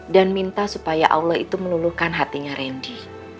dan minta supaya allah itu meluluhkan hatinya rendy